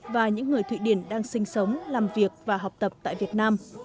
và những người thụy điển đang sinh sống làm việc và học tập tại việt nam